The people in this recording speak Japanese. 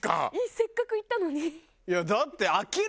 せっかく行ったのに？